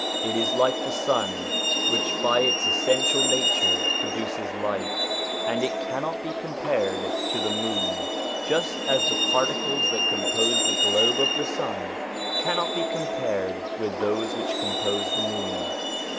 It is like the sun, which by its essential nature produces light, and cannot be compared to the moon, just as the particles that compose the globe of the sun cannot be compared with those which compose the moon.